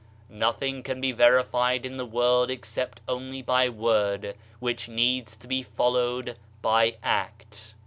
Nothing can be verified in the world except only by word which needs to be followed by act.